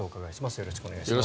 よろしくお願いします。